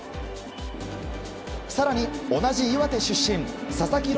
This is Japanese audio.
更に、同じ岩手出身佐々木朗